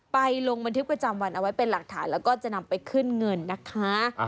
ลงบันทึกประจำวันเอาไว้เป็นหลักฐานแล้วก็จะนำไปขึ้นเงินนะคะ